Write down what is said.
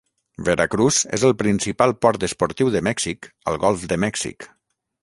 Veracruz és el principal port esportiu de Mèxic al golf de Mèxic.